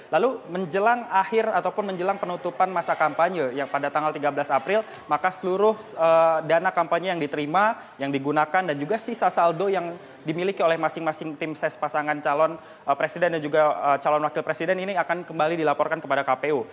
lalu menjelang akhir ataupun menjelang penutupan masa kampanye yang pada tanggal tiga belas april maka seluruh dana kampanye yang diterima yang digunakan dan juga sisa saldo yang dimiliki oleh masing masing tim ses pasangan calon presiden dan juga calon wakil presiden ini akan kembali dilaporkan kepada kpu